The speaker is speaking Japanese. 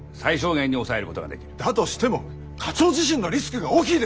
だとしても課長自身のリスクが大きいです！